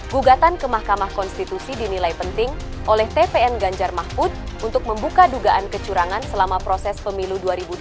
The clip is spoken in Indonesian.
gugatan ke mahkamah konstitusi dinilai penting oleh tpn ganjar mahfud untuk membuka dugaan kecurangan selama proses pemilu dua ribu dua puluh